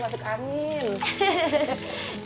siati masuk angin